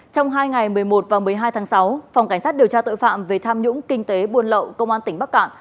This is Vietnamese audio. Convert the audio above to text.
trong hai ngày một mươi một và một mươi hai tháng sáu phòng cảnh sát điều tra tội phạm về tham nhũng kinh tế buôn lậu công an tỉnh bắc cạn